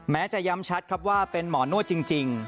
แม้จะย้ำชัดครับว่าเป็นหมอนวดจริง